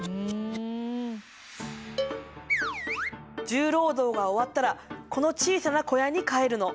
重労働が終わったらこの小さな小屋に帰るの。